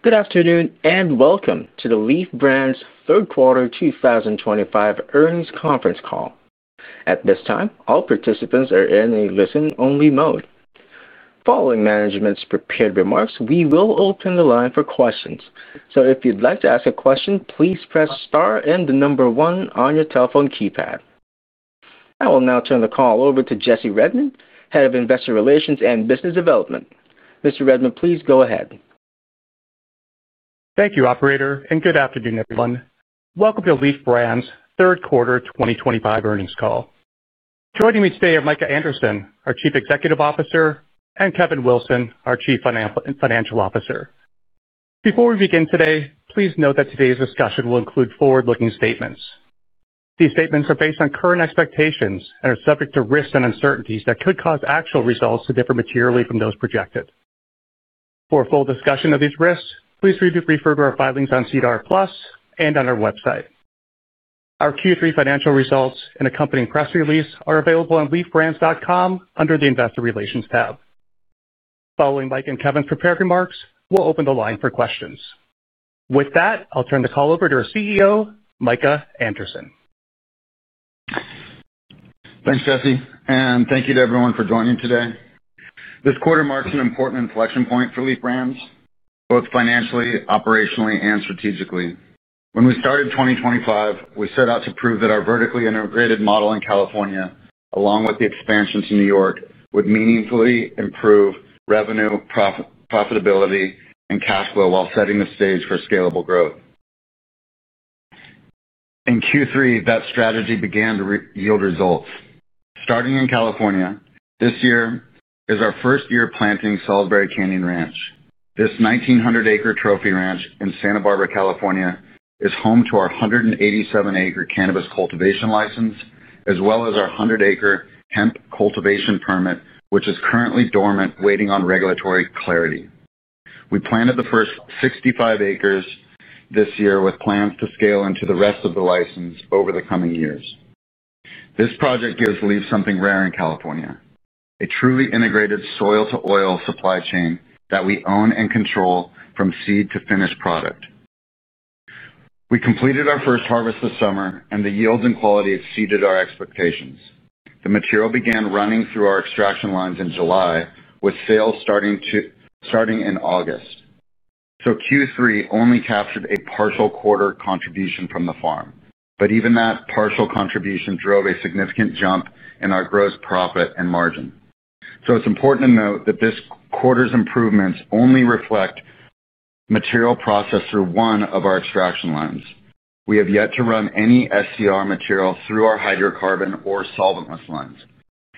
Good afternoon and welcome to the Leef Brands Third Quarter 2025 earnings conference call. At this time, all participants are in a listen-only mode. Following management's prepared remarks, we will open the line for questions. So if you'd like to ask a question, please press star and the number one on your telephone keypad. I will now turn the call over to Jesse Redmond, Head of Investor Relations and Business Development. Mr. Redmond, please go ahead. Thank you, Operator, and good afternoon, everyone. Welcome to Leaf Brands Third Quarter 2025 earnings call. Joining me today are Micah Anderson, our Chief Executive Officer, and Kevin Wilson, our Chief Financial Officer. Before we begin today, please note that today's discussion will include forward-looking statements. These statements are based on current expectations and are subject to risks and uncertainties that could cause actual results to differ materially from those projected. For a full discussion of these risks, please refer to our filings on CDR Plus and on our website. Our Q3 financial results and accompanying press release are available on leafbrands.com under the Investor Relations tab. Following Micah and Kevin's prepared remarks, we'll open the line for questions. With that, I'll turn the call over to our CEO, Micah Anderson. Thanks, Jesse, and thank you to everyone for joining today. This quarter marks an important inflection point for Leaf Brands, both financially, operationally, and strategically. When we started 2025, we set out to prove that our vertically integrated model in California, along with the expansion to New York, would meaningfully improve revenue, profitability, and cash flow while setting the stage for scalable growth. In Q3, that strategy began to yield results. Starting in California, this year is our first year planting Salisbury Canyon Ranch. This 1,900-acre trophy ranch in Santa Barbara, California, is home to our 187-acre cannabis cultivation license, as well as our 100-acre hemp cultivation permit, which is currently dormant, waiting on regulatory clarity. We planted the first 65 acres this year with plans to scale into the rest of the license over the coming years. This project gives Leaf something rare in California: a truly integrated soil-to-oil supply chain that we own and control from seed to finished product. We completed our first harvest this summer, and the yields and quality exceeded our expectations. The material began running through our extraction lines in July, with sales starting in August. So Q3 only captured a partial quarter contribution from the farm, but even that partial contribution drove a significant jump in our gross profit and margin. So it's important to note that this quarter's improvements only reflect material processed through one of our extraction lines. We have yet to run any SDR material through our hydrocarbon or solventless lines,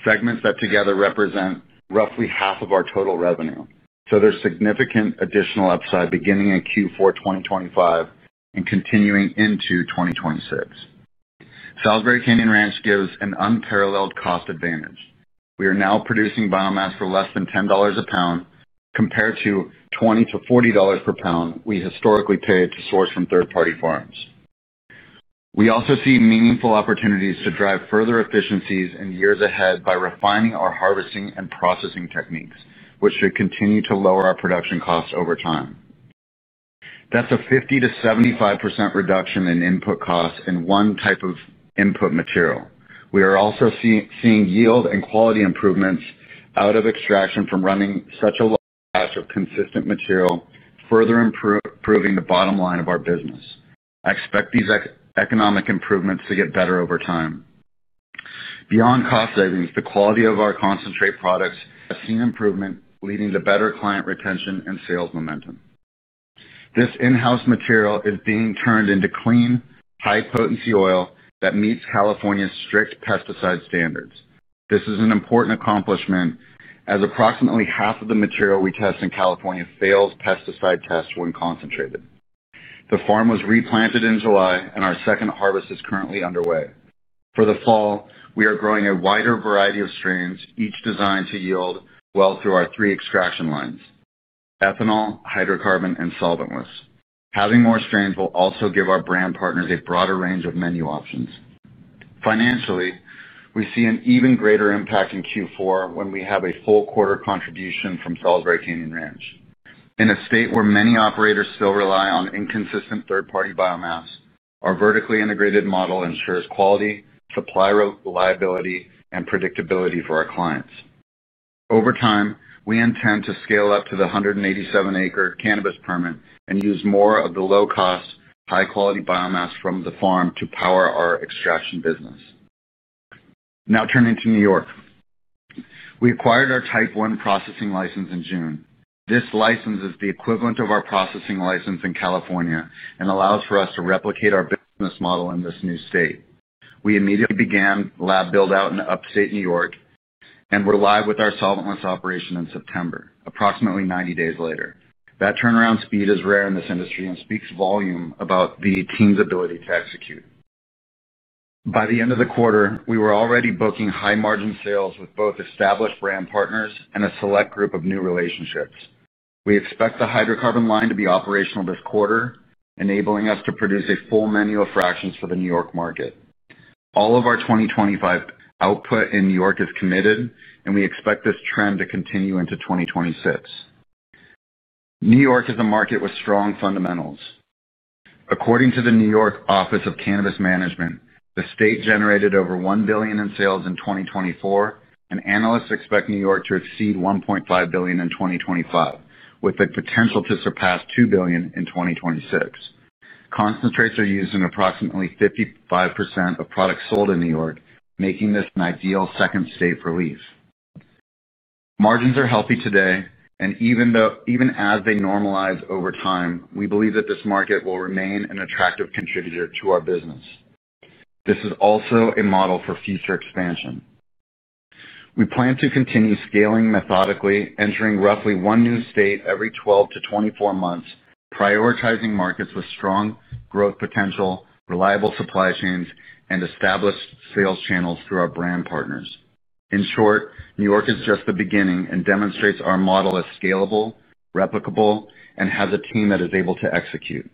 segments that together represent roughly half of our total revenue. So there's significant additional upside beginning in Q4 2025 and continuing into 2026. Salisbury Canyon Ranch gives an unparalleled cost advantage. We are now producing biomass for less than $10 a pound compared to $20-$40 per pound we historically paid to source from third-party farms. We also see meaningful opportunities to drive further efficiencies in years ahead by refining our harvesting and processing techniques, which should continue to lower our production costs over time. That's a 50%-75% reduction in input costs in one type of input material. We are also seeing yield and quality improvements out of extraction from running such a large batch of consistent material, further improving the bottom line of our business. I expect these economic improvements to get better over time. Beyond cost savings, the quality of our concentrate products has seen improvement, leading to better client retention and sales momentum. This in-house material is being turned into clean, high-potency oil that meets California's strict pesticide standards. This is an important accomplishment, as approximately half of the material we test in California fails pesticide tests when concentrated. The farm was replanted in July, and our second harvest is currently underway. For the fall, we are growing a wider variety of strains, each designed to yield well through our three extraction lines: ethanol, hydrocarbon, and solventless. Having more strains will also give our brand partners a broader range of menu options. Financially, we see an even greater impact in Q4 when we have a full quarter contribution from Salisbury Canyon Ranch. In a state where many operators still rely on inconsistent third-party biomass, our vertically integrated model ensures quality, supply reliability, and predictability for our clients. Over time, we intend to scale up to the 187-acre cannabis permit and use more of the low-cost, high-quality biomass from the farm to power our extraction business. Now turning to New York. We acquired our Type I processing license in June. This license is the equivalent of our processing license in California and allows for us to replicate our business model in this new state. We immediately began lab build-out in upstate New York and were live with our solventless operation in September, approximately 90 days later. That turnaround speed is rare in this industry and speaks volumes about the team's ability to execute. By the end of the quarter, we were already booking high-margin sales with both established brand partners and a select group of new relationships. We expect the hydrocarbon line to be operational this quarter, enabling us to produce a full menu of fractions for the New York market. All of our 2025 output in New York is committed, and we expect this trend to continue into 2026. New York is a market with strong fundamentals. According to the New York Office of Cannabis Management, the state generated over $1 billion in sales in 2024, and analysts expect New York to exceed $1.5 billion in 2025, with the potential to surpass $2 billion in 2026. Concentrates are used in approximately 55% of products sold in New York, making this an ideal second state for Leef. Margins are healthy today, and even as they normalize over time, we believe that this market will remain an attractive contributor to our business. This is also a model for future expansion. We plan to continue scaling methodically, entering roughly one new state every 12-24 months, prioritizing markets with strong growth potential, reliable supply chains, and established sales channels through our brand partners. In short, New York is just the beginning and demonstrates our model as scalable, replicable, and has a team that is able to execute.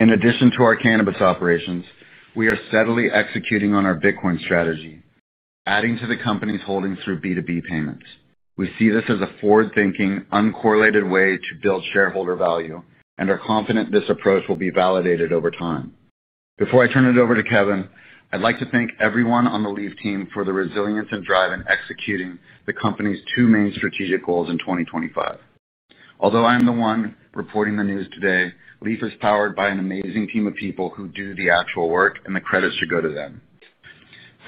In addition to our cannabis operations, we are steadily executing on our Bitcoin strategy, adding to the company's holdings through B2B payments. We see this as a forward-thinking, uncorrelated way to build shareholder value, and are confident this approach will be validated over time. Before I turn it over to Kevin, I'd like to thank everyone on the Leef team for the resilience and drive in executing the company's two main strategic goals in 2025. Although I'm the one reporting the news today, Leef is powered by an amazing team of people who do the actual work, and the credit should go to them.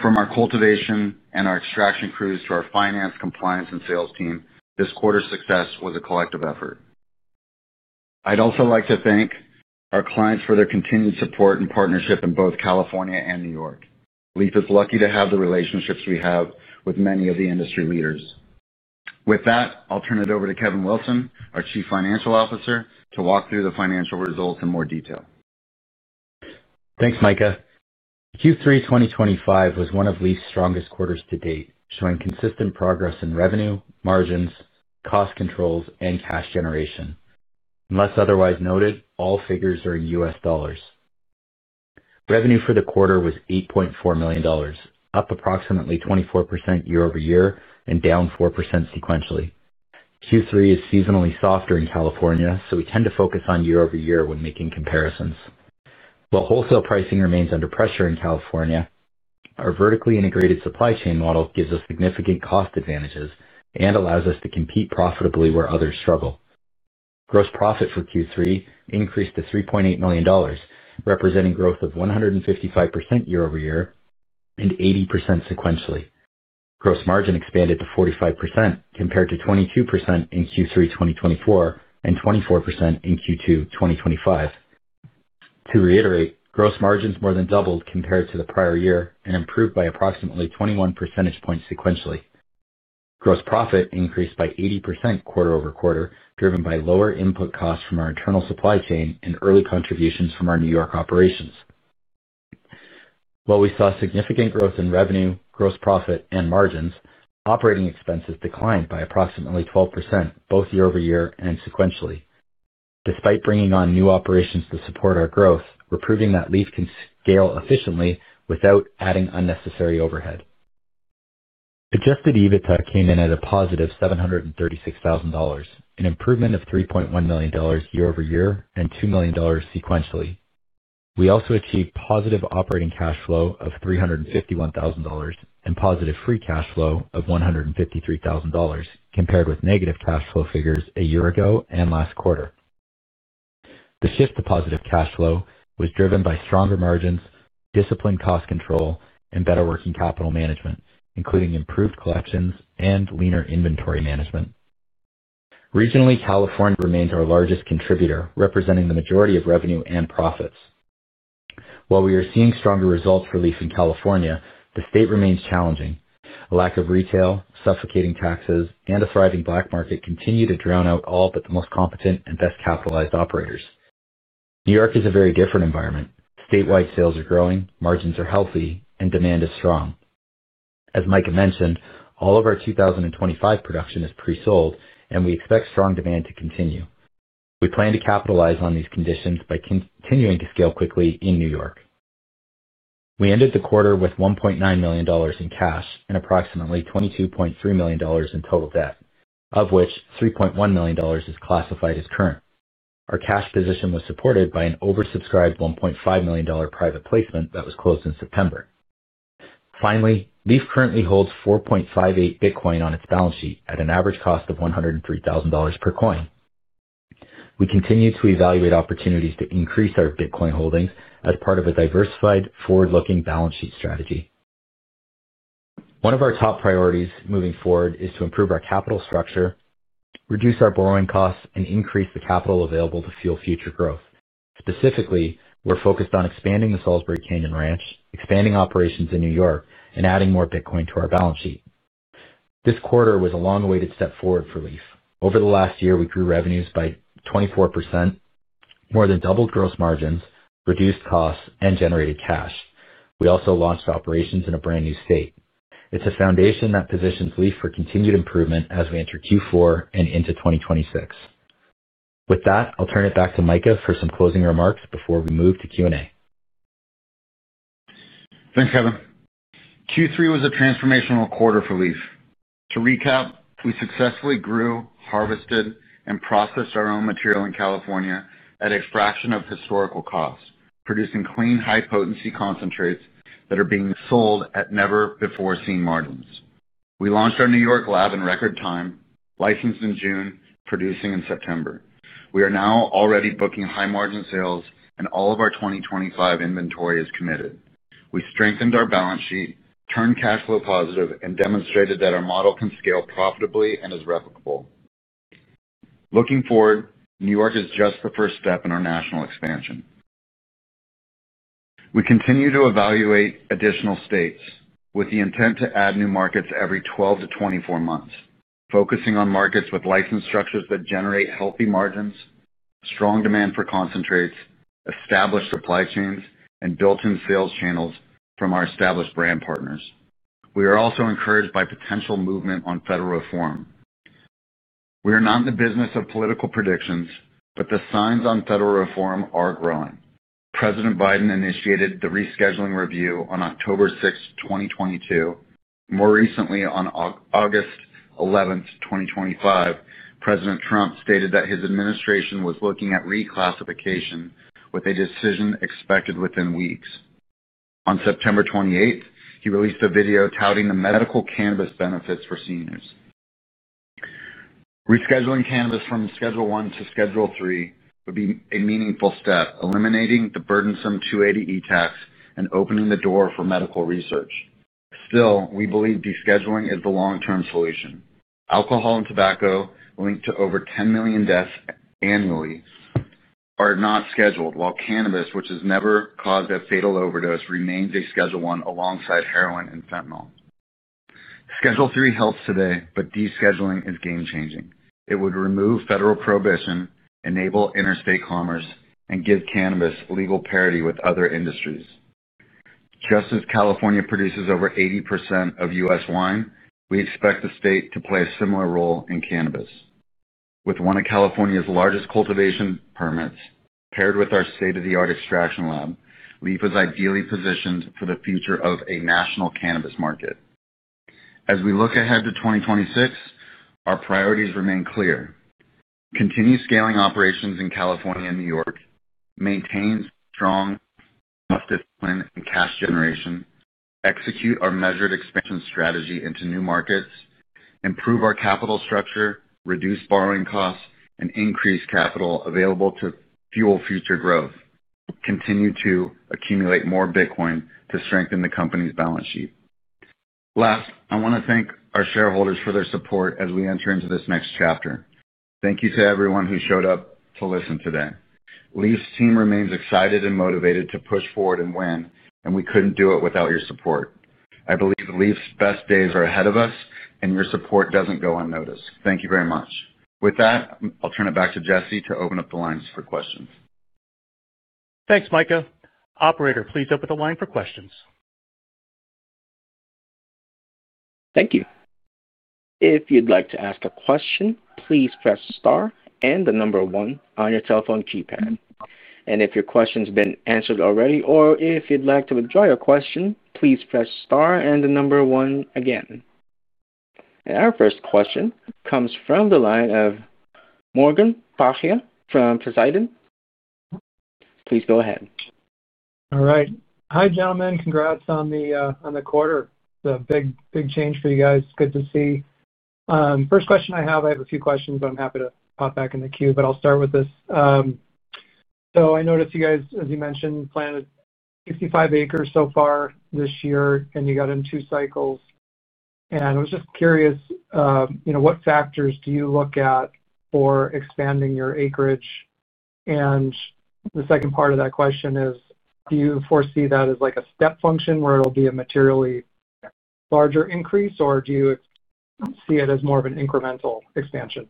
From our cultivation and our extraction crews to our finance, compliance, and sales team, this quarter's success was a collective effort. I'd also like to thank our clients for their continued support and partnership in both California and New York. Leef is lucky to have the relationships we have with many of the industry leaders. With that, I'll turn it over to Kevin Wilson, our Chief Financial Officer, to walk through the financial results in more detail. Thanks, Micah. Q3 2025 was one of Leaf's strongest quarters to date, showing consistent progress in revenue, margins, cost controls, and cash generation. Unless otherwise noted, all figures are in U.S. dollars. Revenue for the quarter was $8.4 million, up approximately 24% year-over-year and down 4% sequentially. Q3 is seasonally soft in California, so we tend to focus on year-over-year when making comparisons. While wholesale pricing remains under pressure in California, our vertically integrated supply chain model gives us significant cost advantages and allows us to compete profitably where others struggle. Gross profit for Q3 increased to $3.8 million, representing growth of 155% year-over-year and 80% sequentially. Gross margin expanded to 45% compared to 22% in Q3 2024 and 24% in Q2 2025. To reiterate, gross margins more than doubled compared to the prior year and improved by approximately 21 percentage points sequentially. Gross profit increased by 80% quarter-over-quarter, driven by lower input costs from our internal supply chain and early contributions from our New York operations. While we saw significant growth in revenue, gross profit, and margins, operating expenses declined by approximately 12% both year-over-year and sequentially. Despite bringing on new operations to support our growth, we're proving that Leaf can scale efficiently without adding unnecessary overhead. Adjusted EBITDA came in at a positive $736,000, an improvement of $3.1 million year-over-year and $2 million sequentially. We also achieved positive operating cash flow of $351,000 and positive free cash flow of $153,000 compared with negative cash flow figures a year ago and last quarter. The shift to positive cash flow was driven by stronger margins, disciplined cost control, and better working capital management, including improved collections and leaner inventory management. Regionally, California remains our largest contributor, representing the majority of revenue and profits. While we are seeing stronger results for Leaf in California, the state remains challenging. A lack of retail, suffocating taxes, and a thriving black market continue to drown out all but the most competent and best-capitalized operators. New York is a very different environment. Statewide sales are growing, margins are healthy, and demand is strong. As Micah mentioned, all of our 2025 production is pre-sold, and we expect strong demand to continue. We plan to capitalize on these conditions by continuing to scale quickly in New York. We ended the quarter with $1.9 million in cash and approximately $22.3 million in total debt, of which $3.1 million is classified as current. Our cash position was supported by an oversubscribed $1.5 million private placement that was closed in September. Finally, Leaf currently holds 4.58 Bitcoin on its balance sheet at an average cost of $103,000 per coin. We continue to evaluate opportunities to increase our Bitcoin holdings as part of a diversified, forward-looking balance sheet strategy. One of our top priorities moving forward is to improve our capital structure, reduce our borrowing costs, and increase the capital available to fuel future growth. Specifically, we're focused on expanding the Salisbury Canyon Ranch, expanding operations in New York, and adding more Bitcoin to our balance sheet. This quarter was a long-awaited step forward for Leef. Over the last year, we grew revenues by 24%, more than doubled gross margins, reduced costs, and generated cash. We also launched operations in a brand new state. It's a foundation that positions Leef for continued improvement as we enter Q4 and into 2026. With that, I'll turn it back to Micah for some closing remarks before we move to Q&A. Thanks, Kevin. Q3 was a transformational quarter for Leef. To recap, we successfully grew, harvested, and processed our own material in California at a fraction of historical cost, producing clean, high-potency concentrates that are being sold at never-before-seen margins. We launched our New York lab in record time, licensed in June, producing in September. We are now already booking high-margin sales, and all of our 2025 inventory is committed. We strengthened our balance sheet, turned cash flow positive, and demonstrated that our model can scale profitably and is replicable. Looking forward, New York is just the first step in our national expansion. We continue to evaluate additional states with the intent to add new markets every 12-24 months, focusing on markets with license structures that generate healthy margins, strong demand for concentrates, established supply chains, and built-in sales channels from our established brand partners. We are also encouraged by potential movement on federal reform. We are not in the business of political predictions, but the signs on federal reform are growing. President Biden initiated the rescheduling review on October 6, 2022. More recently, on August 11th, 2025, President Trump stated that his administration was looking at reclassification, with a decision expected within weeks. On September 28, he released a video touting the medical cannabis benefits for seniors. Rescheduling cannabis from Schedule one to Schedule three would be a meaningful step, eliminating the burdensome 280E tax and opening the door for medical research. Still, we believe descheduling is the long-term solution. Alcohol and tobacco, linked to over 10 million deaths annually, are not scheduled, while cannabis, which has never caused a fatal overdose, remains a Schedule I alongside heroin and fentanyl. Schedule three helps today, but descheduling is game-changing. It would remove federal prohibition, enable interstate commerce, and give cannabis legal parity with other industries. Just as California produces over 80% of US wine, we expect the state to play a similar role in cannabis. With one of California's largest cultivation permits paired with our state-of-the-art extraction lab, Leef is ideally positioned for the future of a national cannabis market. As we look ahead to 2026, our priorities remain clear. Continue scaling operations in California and New York, maintain strong cost discipline and cash generation, execute our measured expansion strategy into new markets, improve our capital structure, reduce borrowing costs, and increase capital available to fuel future growth. Continue to accumulate more Bitcoin to strengthen the company's balance sheet. Last, I want to thank our shareholders for their support as we enter into this next chapter. Thank you to everyone who showed up to listen today. Leef's team remains excited and motivated to push forward and win, and we couldn't do it without your support. I believe Leef's best days are ahead of us, and your support doesn't go unnoticed. Thank you very much. With that, I'll turn it back to Jesse to open up the lines for questions. Thanks, Micah. Operator, please open the line for questions. Thank you. If you'd like to ask a question, please press star and the number one on your telephone keypad. And if your question's been answered already, or if you'd like to withdraw your question, please press star and the number one again. And our first question comes from the line of Morgan Paxhia from Poseidon. Please go ahead. All right. Hi, gentlemen. Congrats on the quarter. It's a big change for you guys. It's good to see. First question I have, I have a few questions, but I'm happy to pop back in the queue. But I'll start with this. So I noticed you guys, as you mentioned, planted 65 acres so far this year, and you got in two cycles. And I was just curious, what factors do you look at for expanding your acreage? And the second part of that question is, do you foresee that as a step function where it'll be a materially larger increase, or do you see it as more of an incremental expansion?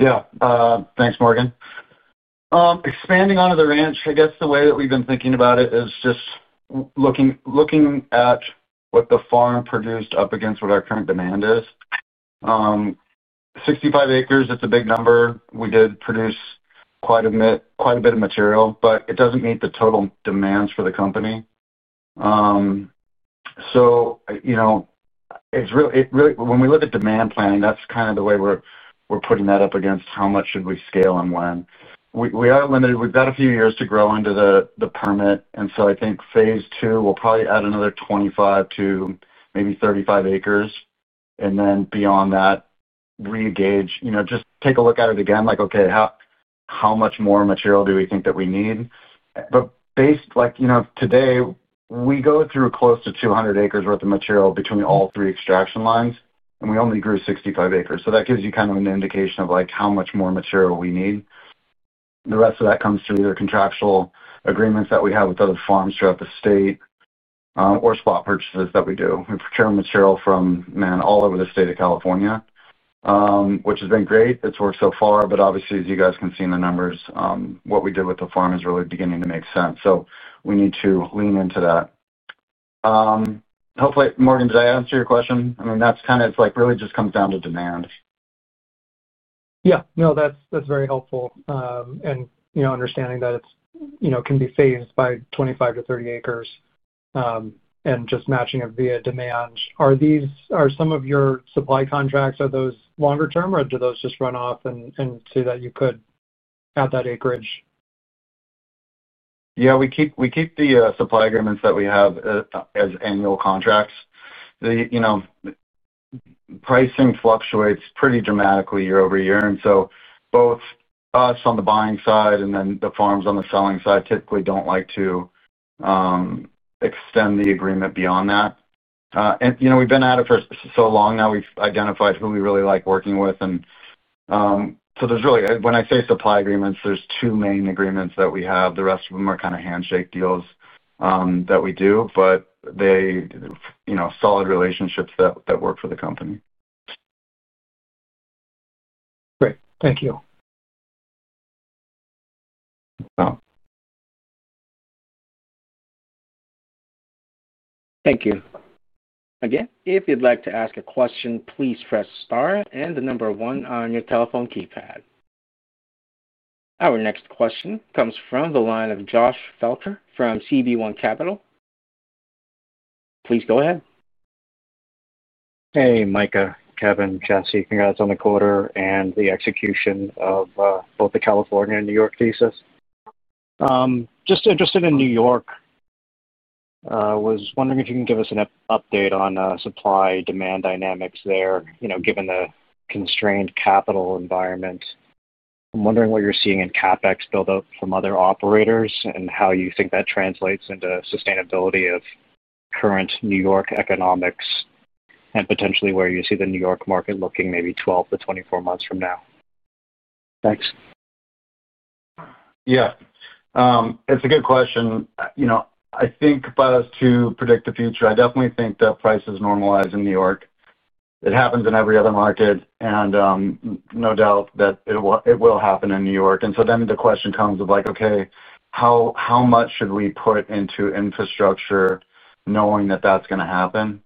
Yeah. Thanks, Morgan. Expanding onto the ranch, I guess the way that we've been thinking about it is just looking at what the farm produced up against what our current demand is. 65 acres, it's a big number. We did produce quite a bit of material, but it doesn't meet the total demands for the company. So. When we look at demand planning, that's kind of the way we're putting that up against how much should we scale and when. We are limited. We've got a few years to grow into the permit. And so I think phase two, we'll probably add another 25-maybe 35 acres. And then beyond that. Re-engage, just take a look at it again, like, "Okay, how much more material do we think that we need?" But. Today, we go through close to 200 acres' worth of material between all three extraction lines, and we only grew 65 acres. So that gives you kind of an indication of how much more material we need. The rest of that comes through either contractual agreements that we have with other farms throughout the state. Or spot purchases that we do. We procure material from Mendocino all over the state of California. Which has been great. It's worked so far. But obviously, as you guys can see in the numbers, what we did with the farm is really beginning to make sense. So we need to lean into that. Hopefully, Morgan, did I answer your question? I mean, that's kind of it really just comes down to demand. Yeah. No, that's very helpful. And understanding that it can be phased by 25-30 acres. And just matching it via demand. Are some of your supply contracts, are those longer-term, or do those just run off and so that you could add that acreage? Yeah. We keep the supply agreements that we have as annual contracts. Pricing fluctuates pretty dramatically year-over-year. And so both us on the buying side and then the farms on the selling side typically don't like to extend the agreement beyond that. And we've been at it for so long now, we've identified who we really like working with. And so there's really when I say supply agreements, there's two main agreements that we have. The rest of them are kind of handshake deals that we do, but they're solid relationships that work for the company. Great. Thank you. Thank you. Again, if you'd like to ask a question, please press star and the number one on your telephone keypad. Our next question comes from the line of Josh Felker from CB1 Capital. Please go ahead. Hey, Micah, Kevin, Jesse, congrats on the quarter and the execution of both the California and New York thesis. Just interested in New York. Was wondering if you can give us an update on supply-demand dynamics there, given the constrained capital environment. I'm wondering what you're seeing in CapEx build-up from other operators and how you think that translates into sustainability of current New York economics and potentially where you see the New York market looking maybe 12-24 months from now?.Thanks. Yeah. It's a good question. I think for us to predict the future, I definitely think that prices normalize in New York. It happens in every other market, and no doubt that it will happen in New York. And so then the question comes of, "Okay, how much should we put into infrastructure knowing that that's going to happen?"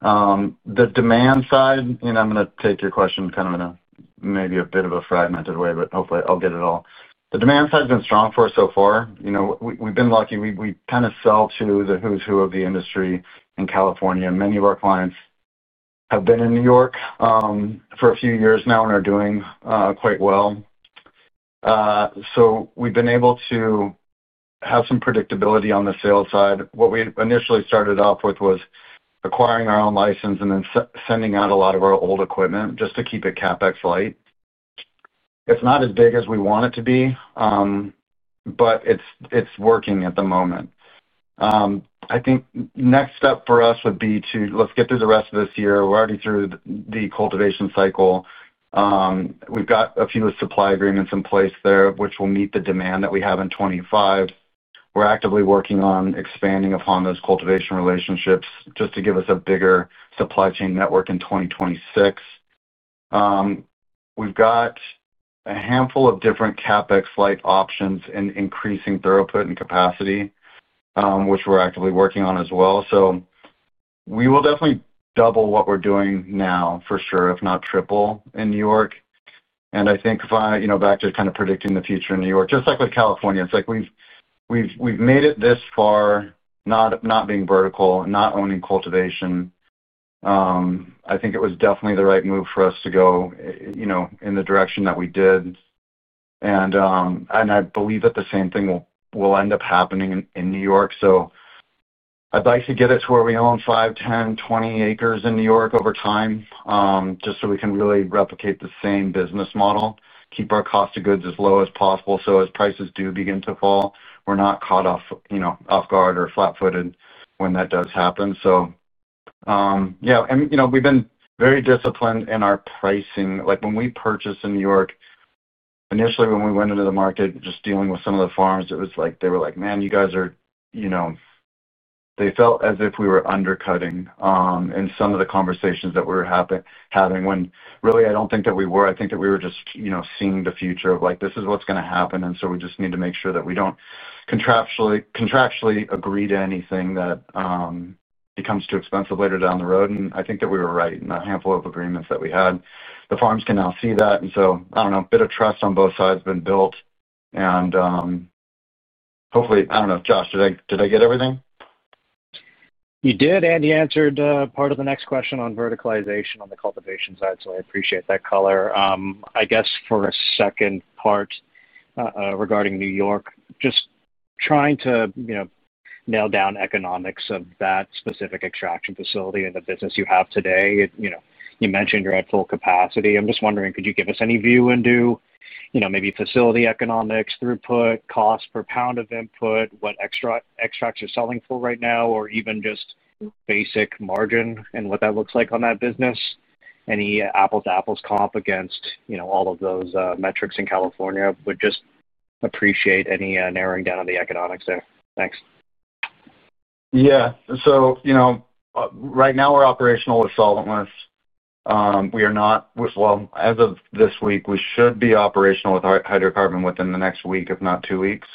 The demand side, and I'm going to take your question kind of in a maybe a bit of a fragmented way, but hopefully, I'll get it all. The demand side's been strong for us so far. We've been lucky. We kind of sell to the who's who of the industry in California. Many of our clients have been in New York for a few years now and are doing quite well. So we've been able to have some predictability on the sales side. What we initially started off with was acquiring our own license and then sending out a lot of our old equipment just to keep it CapEx light. It's not as big as we want it to be, but it's working at the moment. I think the next step for us would be to let's get through the rest of this year. We're already through the cultivation cycle. We've got a few supply agreements in place there, which will meet the demand that we have in 2025. We're actively working on expanding upon those cultivation relationships just to give us a bigger supply chain network in 2026. We've got a handful of different CapEx-like options in increasing throughput and capacity, which we're actively working on as well. So we will definitely double what we're doing now for sure, if not triple in New York. And I think back to kind of predicting the future in New York, just like with California, it's like we've made it this far, not being vertical, not owning cultivation. I think it was definitely the right move for us to go in the direction that we did. And I believe that the same thing will end up happening in New York. So I'd like to get it to where we own five, 10, 20 acres in New York over time just so we can really replicate the same business model, keep our cost of goods as low as possible so as prices do begin to fall, we're not caught off guard or flat-footed when that does happen. So yeah. And we've been very disciplined in our pricing. When we purchased in New York initially, when we went into the market, just dealing with some of the farms, it was like they were like, "Man, you guys are." They felt as if we were undercutting in some of the conversations that we were having, when really, I don't think that we were. I think that we were just seeing the future of like, "This is what's going to happen." And so we just need to make sure that we don't contractually agree to anything that. Becomes too expensive later down the road. And I think that we were right in the handful of agreements that we had. The farms can now see that. And so, I don't know, a bit of trust on both sides has been built. And. Hopefully, I don't know, Josh, did I get everything? You did, and you answered part of the next question on verticalization on the cultivation side. So I appreciate that color. I guess for a second part. Regarding New York, just trying to nail down economics of that specific extraction facility and the business you have today. You mentioned you're at full capacity. I'm just wondering, could you give us any view into maybe facility economics, throughput, cost per pound of input, what extracts you're selling for right now, or even just basic margin and what that looks like on that business? Any apples-to-apples comp against all of those metrics in California? Would just appreciate any narrowing down of the economics there. Thanks. Yeah. So. Right now, we're operational with solventless. We are not with, well, as of this week, we should be operational with hydrocarbon within the next week, if not two weeks.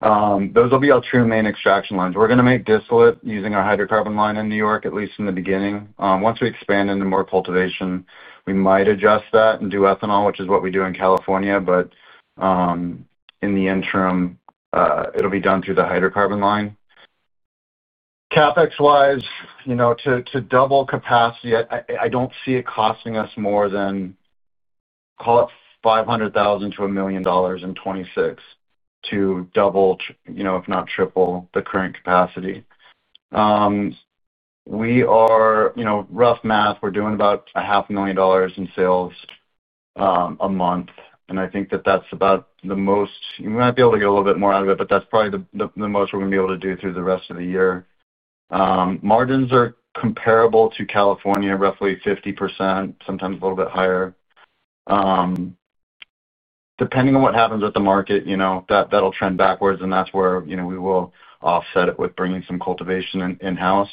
Those will be our two main extraction lines. We're going to make distillate using our hydrocarbon line in New York, at least in the beginning. Once we expand into more cultivation, we might adjust that and do ethanol, which is what we do in California. But. In the interim. It'll be done through the hydrocarbon line. CapEx-wise. To double capacity, I don't see it costing us more than, call it, $500,000-$1 million in 2026 to double, if not triple, the current capacity. We are, rough math, we're doing about $500,000 in sales. A month. And I think that that's about the most. We might be able to get a little bit more out of it, but that's probably the most we're going to be able to do through the rest of the year. Margins are comparable to California, roughly 50%, sometimes a little bit higher. Depending on what happens with the market. That'll trend backwards, and that's where we will offset it with bringing some cultivation in-house.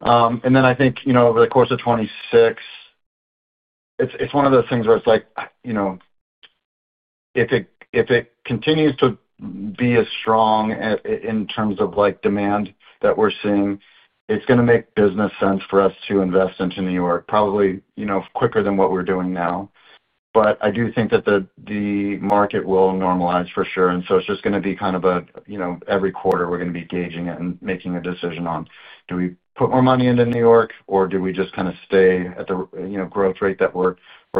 And then I think over the course of 2026. It's one of those things where it's like. If it continues to be as strong in terms of demand that we're seeing, it's going to make business sense for us to invest into New York, probably quicker than what we're doing now. But I do think that the market will normalize for sure. And so it's just going to be kind of a every quarter, we're going to be gauging it and making a decision on, "Do we put more money into New York, or do we just kind of stay at the growth rate that we're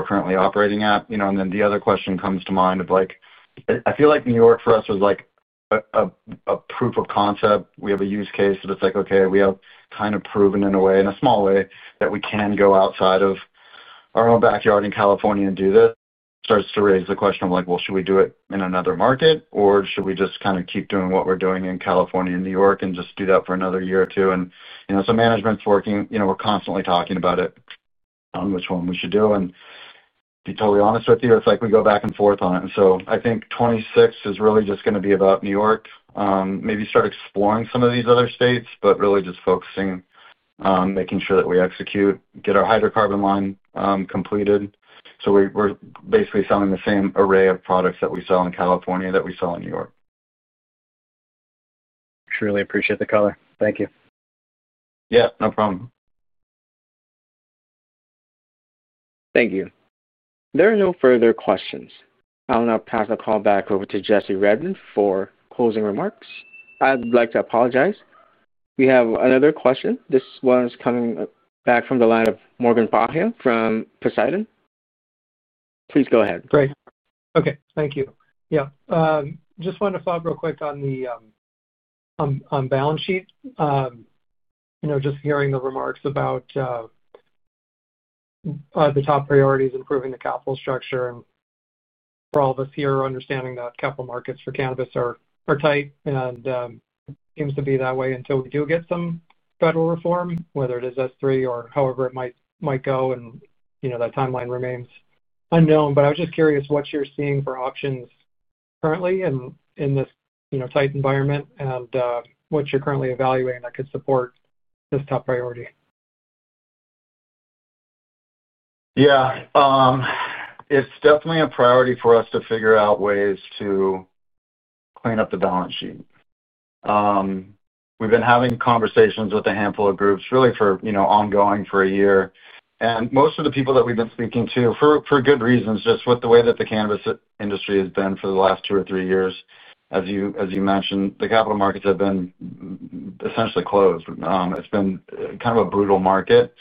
currently operating at?" And then the other question comes to mind of. I feel like New York for us was. A proof of concept. We have a use case that it's like, "Okay, we have kind of proven in a way, in a small way, that we can go outside of. Our own backyard in California and do this." Starts to raise the question of like, "Well, should we do it in another market, or should we just kind of keep doing what we're doing in California and New York and just do that for another year or two?" And so management's working. We're constantly talking about it. On which one we should do. And. To be totally honest with you, it's like we go back and forth on it. And so I think 2026 is really just going to be about New York. Maybe start exploring some of these other states, but really just focusing. Making sure that we execute, get our hydrocarbon line completed. So we're basically selling the same array of products that we sell in California that we sell in New York. Truly appreciate the color. Thank you. Yeah. No problem. Thank you. There are no further questions. I'll now pass the call back over to Jesse Redman for closing remarks. I'd like to apologize. We have another question. This one is coming back from the line of Morgan Paxhia from Poseidon. Please go ahead. Great. Okay. Thank you. Yeah. Just wanted to follow up real quick on the balance sheet. Just hearing the remarks about the top priorities, improving the capital structure. For all of us here, understanding that capital markets for cannabis are tight. It seems to be that way until we do get some federal reform, whether it is S3 or however it might go. That timeline remains unknown. But I was just curious what you're seeing for options currently in this tight environment and what you're currently evaluating that could support this top priority? Yeah. It's definitely a priority for us to figure out ways to clean up the balance sheet. We've been having conversations with a handful of groups, really ongoing for a year. And most of the people that we've been speaking to, for good reasons, just with the way that the cannabis industry has been for the last two or three years, as you mentioned, the capital markets have been essentially closed. It's been kind of a brutal market.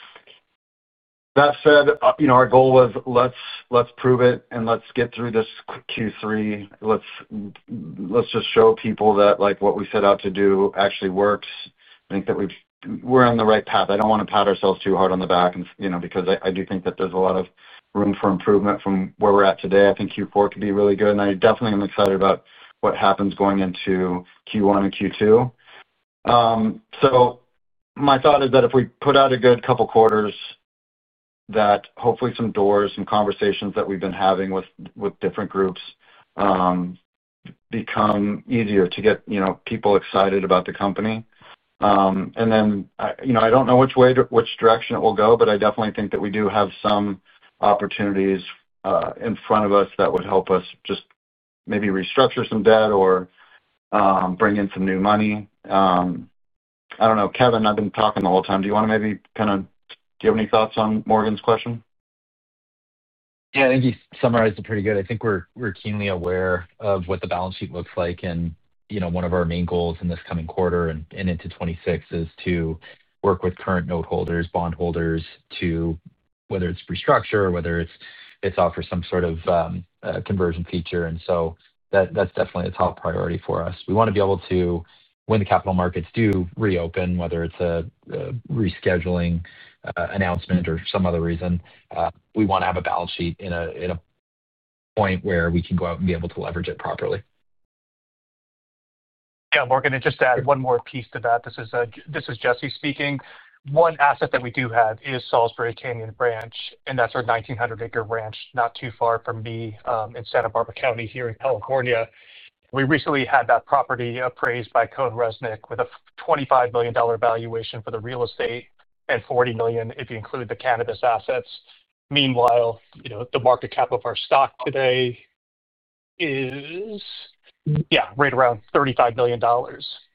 That said, our goal was, "Let's prove it, and let's get through this Q3. Let's just show people that what we set out to do actually works." I think that we're on the right path. I don't want to pat ourselves too hard on the back because I do think that there's a lot of room for improvement from where we're at today. I think Q4 could be really good. And I definitely am excited about what happens going into Q1 and Q2. So my thought is that if we put out a good couple of quarters. That hopefully some doors and conversations that we've been having with different groups become easier to get people excited about the company. And then I don't know which direction it will go, but I definitely think that we do have some opportunities in front of us that would help us just maybe restructure some debt or bring in some new money. I don't know. Kevin, I've been talking the whole time. Do you want to maybe kind of, do you have any thoughts on Morgan's question? Yeah. I think you summarized it pretty good. I think we're keenly aware of what the balance sheet looks like. And one of our main goals in this coming quarter and into 2026 is to work with current noteholders, bondholders, to whether it's restructure, whether it's offer some sort of. Conversion feature. And so that's definitely a top priority for us. We want to be able to, when the capital markets do reopen, whether it's a rescheduling announcement or some other reason, we want to have a balance sheet in a. Point where we can go out and be able to leverage it properly. Yeah. Morgan, just to add one more piece to that, this is Jesse speaking. One asset that we do have is Salisbury Canyon Ranch, and that's our 1,900-acre ranch not too far from me in Santa Barbara County here in California. We recently had that property appraised by CohnReznick with a $25 million valuation for the real estate and $40 million if you include the cannabis assets. Meanwhile, the market cap of our stock today is, yeah, right around $35 million,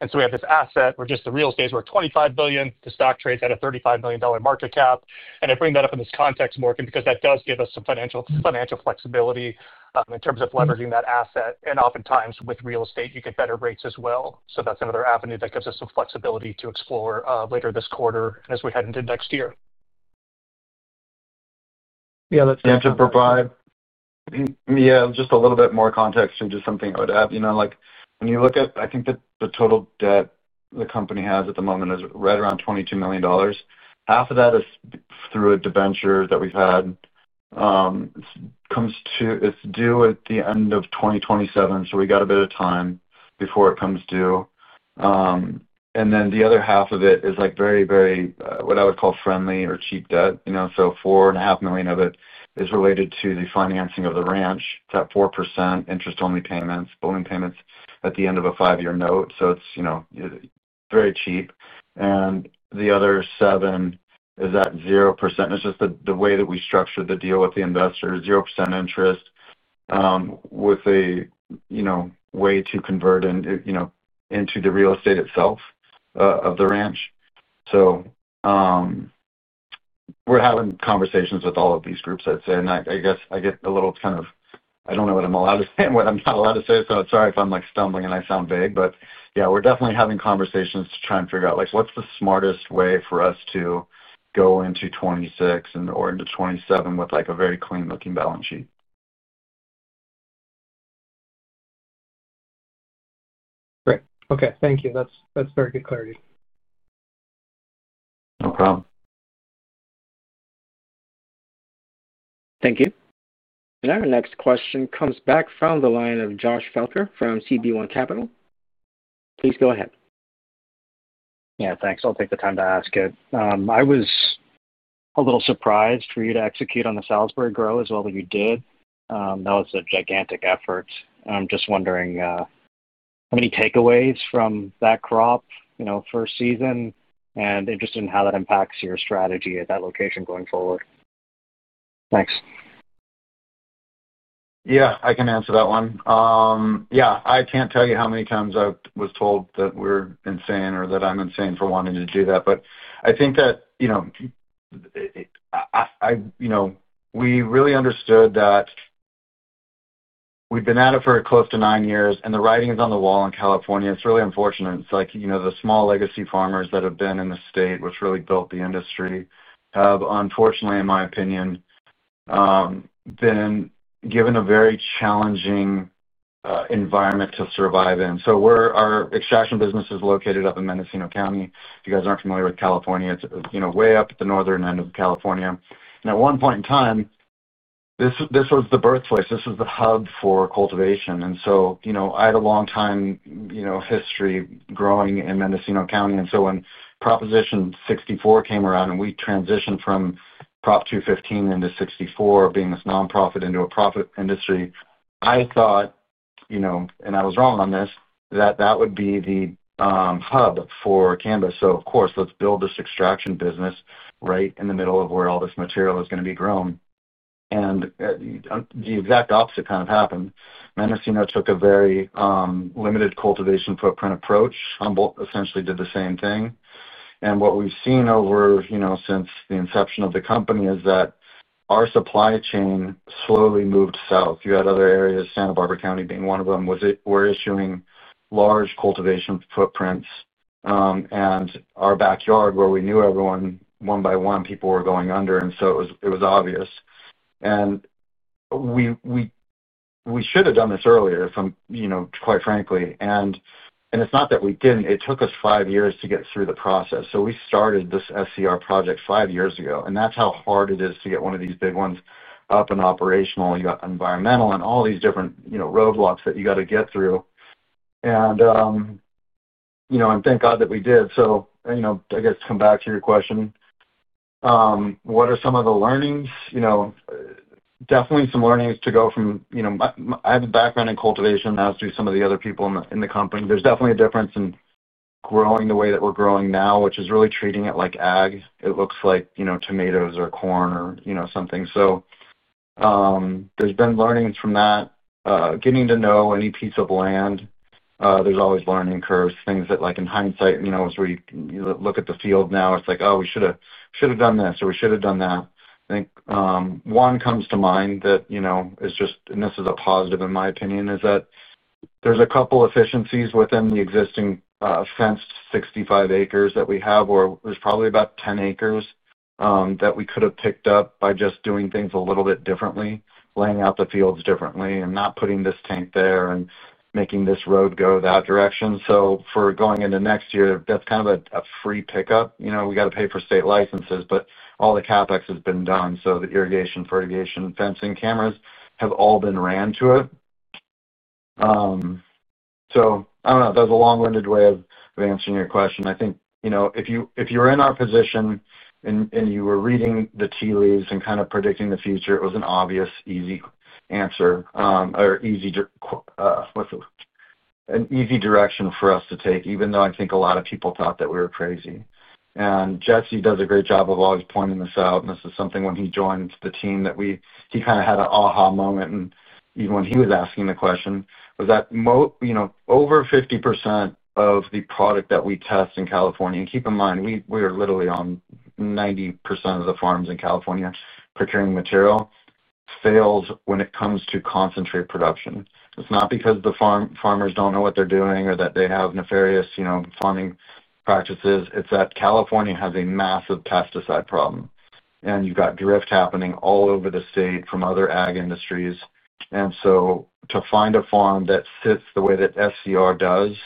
and so we have this asset where just the real estate is worth $25 billion. The stock trades at a $35 million market cap, and I bring that up in this context, Morgan, because that does give us some financial flexibility in terms of leveraging that asset. And oftentimes, with real estate, you get better rates as well. So that's another avenue that gives us some flexibility to explore later this quarter and as we head into next year. Yeah. That's good. Yeah, just a little bit more context and just something I would add. When you look at, I think, the total debt the company has at the moment is right around $22 million. Half of that is through a debenture that we've had. It's due at the end of 2027. So we got a bit of time before it comes due. And then the other half of it is very, very what I would call friendly or cheap debt. So $4.5 million of it is related to the financing of the ranch. It's at 4% interest-only payments, balloon payments at the end of a five-year note. So it's very cheap. And the other $7 million is at 0%. It's just the way that we structured the deal with the investors, 0% interest. With a way to convert into the real estate itself of the ranch. So we're having conversations with all of these groups, I'd say. And I guess I get a little kind of, I don't know what I'm allowed to say and what I'm not allowed to say. So sorry if I'm stumbling and I sound vague. But yeah, we're definitely having conversations to try and figure out what's the smartest way for us to go into 2026 or into 2027 with a very clean-looking balance sheet. Great. Okay. Thank you. That's very good clarity. No problem. Thank you. And our next question comes back from the line of Josh Felker from CB1 Capital. Please go ahead. Yeah. Thanks. I'll take the time to ask it. I was a little surprised for you to execute on the Salisbury Grow as well that you did. That was a gigantic effort. I'm just wondering. How many takeaways from that crop first season and interested in how that impacts your strategy at that location going forward? Thanks. Yeah. I can answer that one. Yeah. I can't tell you how many times I was told that we're insane or that I'm insane for wanting to do that. But I think that we really understood that. We've been at it for close to nine years, and the writing is on the wall in California. It's really unfortunate. It's like the small legacy farmers that have been in the state, which really built the industry, have unfortunately, in my opinion, been given a very challenging environment to survive in. So our extraction business is located up in Mendocino County. If you guys aren't familiar with California, it's way up at the northern end of California. And at one point in time, this was the birthplace. This was the hub for cultivation. And so I had a long-time history growing in Mendocino County. And so when Proposition 64 came around and we transitioned from Prop 215 into 64, being this nonprofit into a profit industry, I thought, and I was wrong on this, that that would be the hub for cannabis. So of course, let's build this extraction business right in the middle of where all this material is going to be grown. And the exact opposite kind of happened. Mendocino took a very limited cultivation footprint approach. Humboldt essentially did the same thing. And what we've seen over since the inception of the company is that our supply chain slowly moved south. You had other areas, Santa Barbara County being one of them, where we're issuing large cultivation footprints. And our backyard, where we knew everyone, one by one, people were going under. And so it was obvious. And we should have done this earlier, quite frankly. And it's not that we didn't. It took us five years to get through the process. So we started this SCR project five years ago. And that's how hard it is to get one of these big ones up and operational. You got environmental and all these different roadblocks that you got to get through. And thank God that we did. So I guess to come back to your question. What are some of the learnings? Definitely some learnings to go from. I have a background in cultivation, as do some of the other people in the company. There's definitely a difference in growing the way that we're growing now, which is really treating it like ag. It looks like tomatoes or corn or something. So there's been learnings from that. Getting to know any piece of land. There's always learning curves. Things that, in hindsight, as we look at the field now, it's like, "Oh, we should have done this," or, "We should have done that." I think one comes to mind that is just, and this is a positive in my opinion, is that there's a couple of efficiencies within the existing fenced 65 acres that we have, or there's probably about 10 acres that we could have picked up by just doing things a little bit differently, laying out the fields differently, and not putting this tank there and making this road go that direction. So for going into next year, that's kind of a free pickup. We got to pay for state licenses, but all the CapEx has been done, so the irrigation, fertigation, fencing, cameras have all been ran to it. So I don't know. That's a long-winded way of answering your question. I think if you were in our position and you were reading the tea leaves and kind of predicting the future, it was an obvious, easy answer or easy direction for us to take, even though I think a lot of people thought that we were crazy, and Jesse does a great job of always pointing this out, and this is something when he joined the team that he kind of had an aha moment, and even when he was asking the question, was that over 50% of the product that we test in California and keep in mind, we are literally on 90% of the farms in California procuring material. Fails when it comes to concentrate production. It's not because the farmers don't know what they're doing or that they have nefarious farming practices. It's that California has a massive pesticide problem, and you've got drift happening all over the state from other ag industries, and so to find a farm that sits the way that SCR does,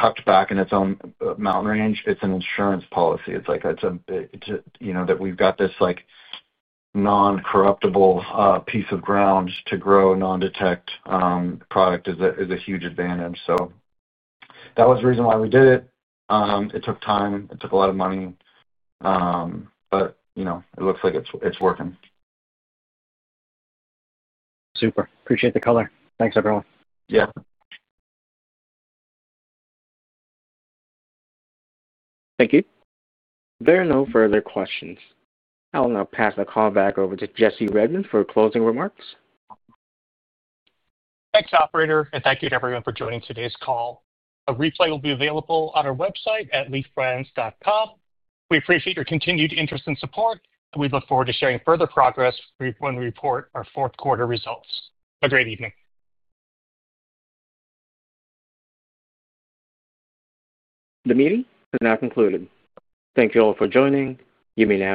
tucked back in its own mountain range, it's an insurance policy. It's like that we've got this non-corruptible piece of ground to grow non-detect product is a huge advantage. So that was the reason why we did it. It took time. It took a lot of money, but it looks like it's working. Super. Appreciate the color. Thanks, everyone. Yeah. Thank you. There are no further questions. I'll now pass the call back over to Jesse Redman for closing remarks. Thanks, operator. And thank you to everyone for joining today's call. A replay will be available on our website at leafbrands.com. We appreciate your continued interest and support. And we look forward to sharing further progress when we report our fourth quarter results. A great evening. The meeting is now concluded. Thank you all for joining. You may now.